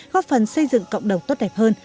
góp phần xây dựng cộng đồng tốt đẹp hơn